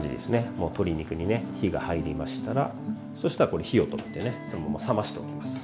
もう鶏肉にね火が入りましたらそしたらこれ火を止めてねそのまま冷ましておきます。